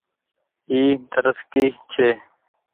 اي تر سڪي ڇي۔